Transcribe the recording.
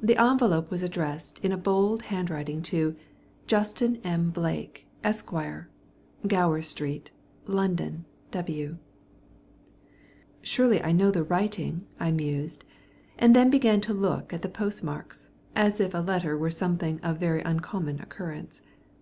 The envelope was addressed in a bold hand writing to Justin M. Blake, Esq., Gower Street, London, W. "Surely I know the writing," I mused, and then began to look at the postmarks as if a letter were something of very uncommon occurrence.